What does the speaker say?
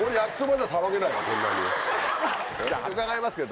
伺いますけど。